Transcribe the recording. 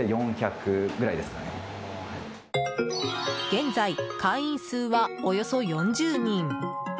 現在、会員数はおよそ４０人。